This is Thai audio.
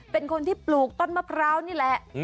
เป็นคนที่ปลูกต้นมะพร้าวนี่แหละ